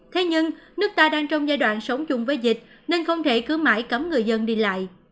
thế nhưng nước ta đang trong giai đoạn sống chung với dịch nên không thể cứ mãi cấm người dân đi lại